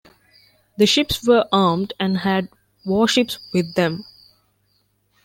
The ships were armed and had warships with them.